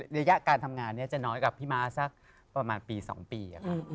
ระยะการทำงานนี้จะน้อยกว่าพี่ม้าสักประมาณปี๒ปี